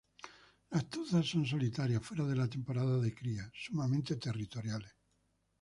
Las tuzas son solitarias fuera de la temporada de cría, sumamente territoriales.